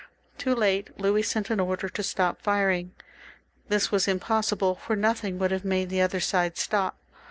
Too late Louis sent an order to stop firing. This was impossible, for nothing would have made the other side stop.